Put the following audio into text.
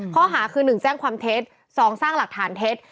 ข้อหาคือ๑แจ้งความเท็จ๒สร้างหลักฐานเท็จ